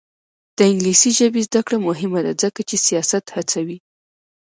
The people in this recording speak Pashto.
د انګلیسي ژبې زده کړه مهمه ده ځکه چې سیاحت هڅوي.